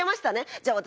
じゃあ私